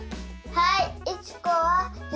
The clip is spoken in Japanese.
はい。